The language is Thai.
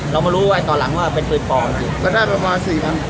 ลองมารู้ตอนหลังว่าเปิดปองหรือจริง